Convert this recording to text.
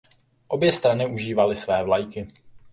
Obě strany užívaly své vlajky.